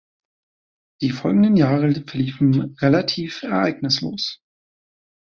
Die folgenden Jahre verliefen relativ ereignislos.